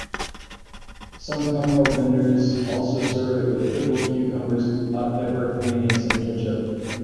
Some kumru vendors also serve it with pickled cucumbers, hot pepper, mayonnaise and ketchup.